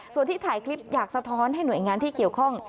ส่วนที่ถ่ายคลิปอยากสะท้อนให้หน่วยงานที่เกี่ยวข้อง